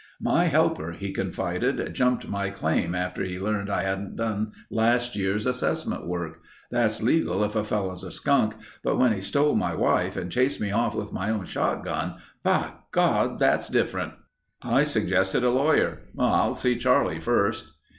"My helper," he confided, "jumped my claim after he learned I hadn't done last year's assessment work. That's legal if a fellow's a skunk but when he stole my wife and chased me off with my own shotgun, bigod—that's different." I suggested a lawyer. "I'll see Charlie first...."